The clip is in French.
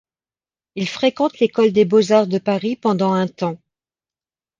Il fréquente l'école des Beaux-arts de Paris pendant un temps.